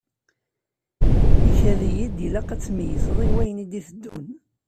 Ikad-iyi-d ilaq ad tmeyyzeḍ i wayen i d-iteddun.